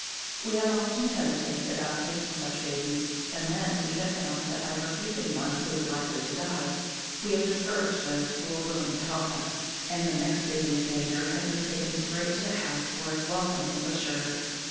We have often hesitated about taking such babies; and then we have found that by refusing one who is likely to die we have discouraged those who were willing to help us, and the next baby in danger has been taken straight to the house where its welcome was assured.